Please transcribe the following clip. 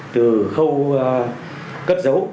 từ khâu cất dấu